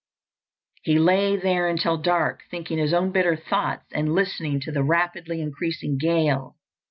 He lay there until dark, thinking his own bitter thoughts and listening to the rapidly increasing gale.